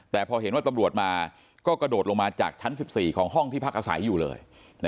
แต่พอเห็นว่าตำรวจมาก็กระโดดลงมาจากชั้น๑๔ของห้องที่พักอาศัยอยู่เลย